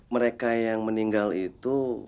mereka yang meninggal itu